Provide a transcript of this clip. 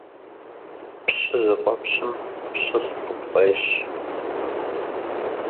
Пщы зыфӀэпщым пщылӀ къыпфӀещ.